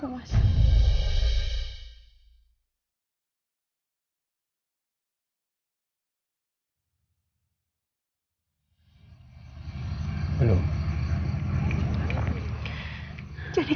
yang kerja cuma klinik